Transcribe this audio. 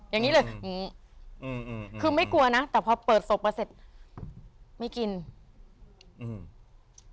อย่างงี้เลยอย่างงี้อืมคือไม่กลัวนะแต่พอเปิดศพมาเสร็จไม่กินอืม